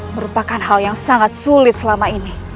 merupakan hal yang sangat sulit selama ini